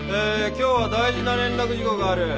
今日は大事な連絡事項がある。